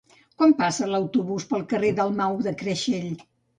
Quan passa l'autobús pel carrer Dalmau de Creixell?